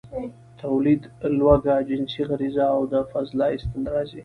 ، توليد، لوږه، جنسي غريزه او د فضله ايستل راځي.